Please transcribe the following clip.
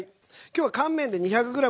今日は乾麺で２００ｇです。